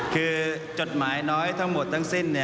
คือจดหมายน้อยทั้งหมดทั้งสิ้น